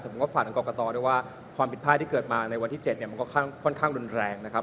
ผมก็ฝากทางกรกตด้วยว่าความผิดพลาดที่เกิดมาในวันที่๗เนี่ยมันก็ค่อนข้างรุนแรงนะครับ